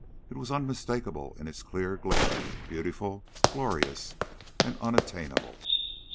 It was unmistakable in its clear glare, beautiful, glorious and unattainable.